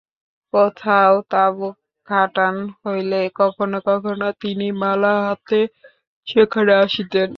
কোথাও তাঁবু খাটান হইলে কখনও কখনও তিনি মালা হাতে সেখানে আসিতেন।